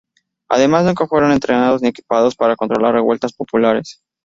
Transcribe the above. Además, nunca fueron entrenados ni equipados para controlar revueltas populares".